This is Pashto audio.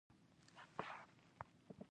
آزاد تجارت مهم دی ځکه چې پرمختګ پایداره کوي.